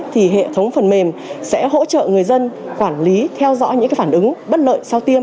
thì hệ thống phần mềm sẽ hỗ trợ người dân quản lý theo dõi những phản ứng bất lợi sau tiêm